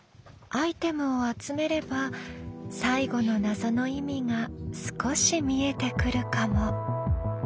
アイテムを集めれば最後の謎の意味が少し見えてくるかも。